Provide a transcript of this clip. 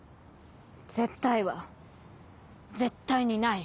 「絶対」は絶対にない。